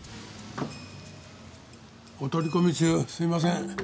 お取り込み中すいません。